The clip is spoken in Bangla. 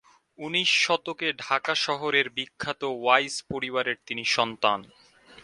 উনিশ শতকে ঢাকা শহরের বিখ্যাত ওয়াইজ পরিবারের তিনি সন্তান।